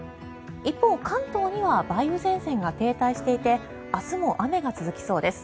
一方、関東には梅雨前線が停滞していて明日も雨が続きそうです。